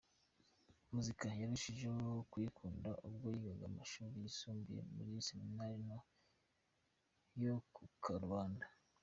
Muzika yarushijeho kuyikunda ubwo yigaga amashuri yisumbuye muri Seminari nto yo ku Karubanda.